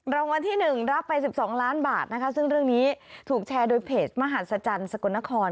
รางวัลที่๑รับไป๑๒ล้านบาทนะคะซึ่งเรื่องนี้ถูกแชร์โดยเพจมหัศจรรย์สกลนคร